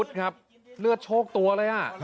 สวยสวยสวยสวยสวยสวย